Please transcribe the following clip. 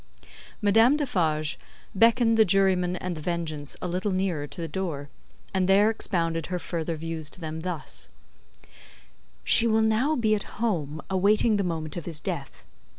Madame Defarge beckoned the Juryman and The Vengeance a little nearer to the door, and there expounded her further views to them thus: "She will now be at home, awaiting the moment of his death.